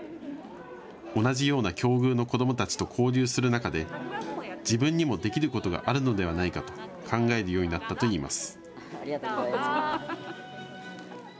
同じような境遇の子どもたちと交流する中で自分にもできることがあるのではないかと考えるようになったといいます。